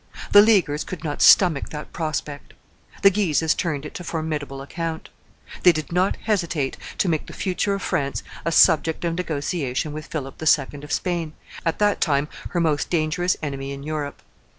The Leaguers could not stomach that prospect. The Guises turned it to formidable account. They did not hesitate to make the future of France a subject of negotiation with Philip II. of Spain, at that time her most dangerous enemy in Europe.